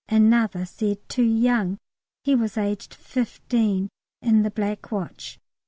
Another said "Too young"; he was aged fifteen, in the Black Watch.